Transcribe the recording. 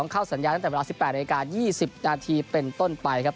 เข้าสัญญาณตั้งแต่เวลา๑๘นาที๒๐นาทีเป็นต้นไปครับ